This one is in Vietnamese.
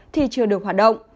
thì chưa được hoạt động